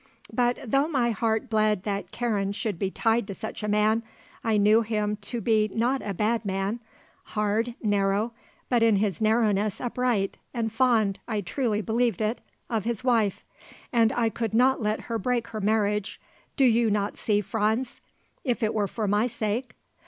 But though my heart bled that Karen should be tied to such a man, I knew him to be not a bad man; hard, narrow, but in his narrowness upright, and fond, I truly believed it, of his wife. And I could not let her break her marriage do you not see, Franz, if it were for my sake.